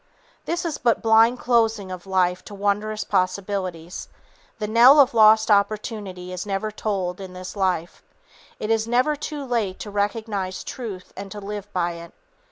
This is but blind closing of life to wondrous possibilities. The knell of lost opportunity is never tolled in this life. It is never too late to recognize truth and to live by it.